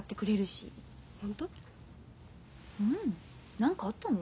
何かあったの？